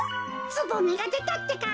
つぼみがでたってか。